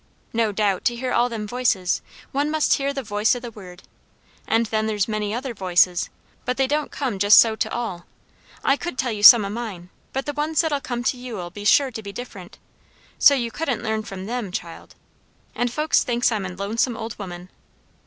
No doubt, to hear all them voices, one must hear the voice o' the Word. And then there's many other voices; but they don't come just so to all. I could tell you some o' mine; but the ones that'll come to you'll be sure to be different; so you couldn't learn from them, child. And folks thinks I'm a lonesome old woman!"